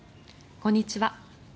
こんにちは。